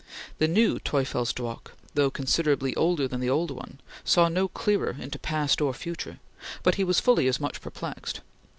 The new Teufelsdrockh, though considerably older than the old one, saw no clearer into past or future, but he was fully as much perplexed.